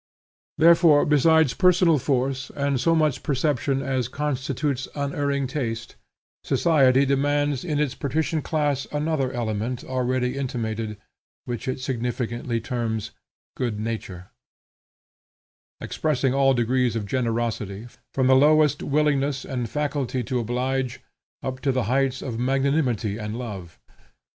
Therefore besides personal force and so much perception as constitutes unerring taste, society demands in its patrician class another element already intimated, which it significantly terms good nature, expressing all degrees of generosity, from the lowest willingness and faculty to oblige, up to the heights of magnanimity and love.